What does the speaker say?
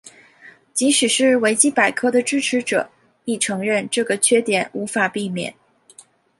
即使是维基百科的支持者亦承认这个缺点无法避免。